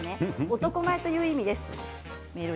男前という意味です。